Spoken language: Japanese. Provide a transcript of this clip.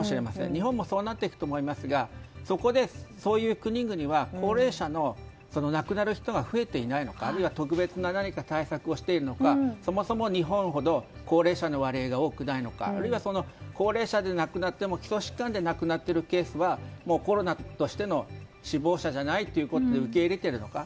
日本もそうなっていくと思いますがそこでそういう国々は高齢者の亡くなる人が増えていないのかあるいは特別な対策をしているのかそもそも日本ほど高齢者の割合が多くないのかあるいは高齢者で亡くなっても基礎疾患で亡くなっているケースはコロナでの死亡者じゃないとして受け入れているのか。